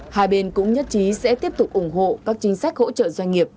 hai bên cũng nhắc chí sẽ tiếp tục ủng hộ các chính sách hỗ trợ doanh nghiệp